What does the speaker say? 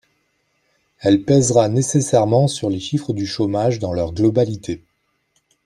Elle pèsera nécessairement sur les chiffres du chômage dans leur globalité.